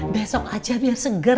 besok aja biar seger